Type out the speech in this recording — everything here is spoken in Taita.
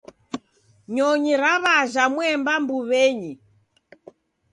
Nyonyi raw'ajha mwemba mbuw'enyi.